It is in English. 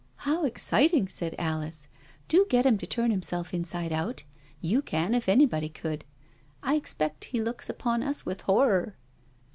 *'" How exciting I " said Alice. " Do get him to turn himself inside out — you can, if anybody could — I expect he looks upon us with horror."